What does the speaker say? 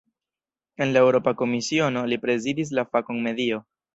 En la Eŭropa Komisiono, li prezidis la fakon "medio".